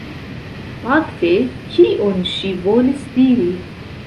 Fakte, kion ŝi volis diri?